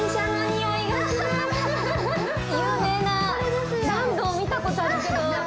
有名な何度も見たことあるけど。